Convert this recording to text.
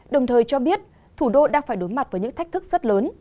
đồng thời cho biết thủ đô đang phải đối mặt với những thách thức rất lớn